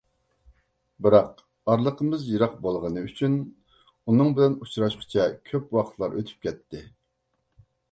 بىراق ئارىلىقىمىز يىراق بولغىنى ئۈچۈن ئۇنىڭ بىلەن ئۇچراشقۇچە كۆپ ۋاقىتلار ئۆتۈپ كەتتى.